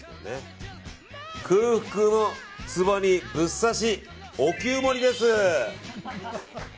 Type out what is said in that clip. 空腹のつぼにぶっさしお灸盛りです。